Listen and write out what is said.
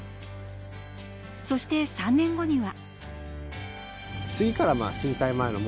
そして３年後には。